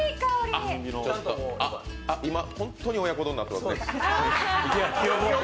今本当に親子丼になってます。